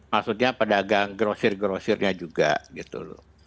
maksudnya pedagang grosir grosirnya juga gitu loh